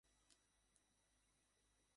এরা পশ্চিম উপকূলে বাস করে।